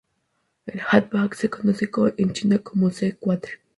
El hatchback se conoce en China como "C-Quatre".